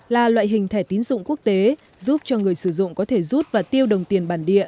là loại hình thẻ tín dụng quốc tế giúp cho người sử dụng có thể rút và tiêu đồng tiền bản địa